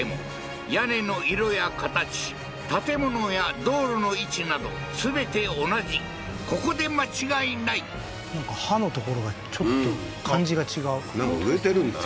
衛星写真と比べてみても屋根の色や形建物や道路の位置など全て同じここで間違いないなんか「ハ」の所がちょっと感じが違うなんか植えてるんだね